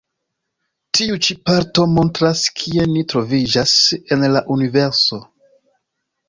Tiu ĉi parto montras kie ni troviĝas en la Universo.